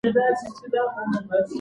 انا خپل تسبیح په یو خوندي ځای کې کېښوده.